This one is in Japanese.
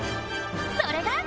それが！